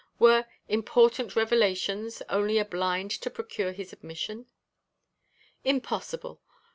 Were "important revelations" only a blind to procure his admission? Impossible!